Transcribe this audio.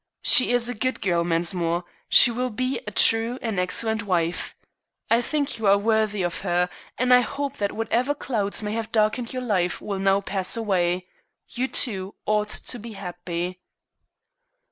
She is a good girl, Mensmore. She will be a true and excellent wife. I think you are worthy of her, and I hope that whatever clouds may have darkened your life will now pass away. You two ought to be happy."